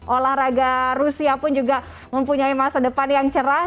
olahraga rusia pun juga mempunyai masa depan yang cerah